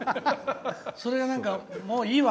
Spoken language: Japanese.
それが、なんかもういいわ！